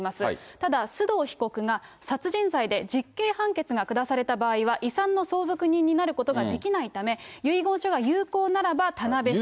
ただ、須藤被告が殺人罪で実刑判決が下された場合は遺産の相続人になることができないため、遺言書が有効ならば、田辺市。